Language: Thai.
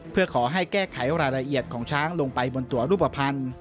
เพื่อขอให้แก้ไขรายละเอียดของช้างลงไปบนตัวรูปภัณฑ์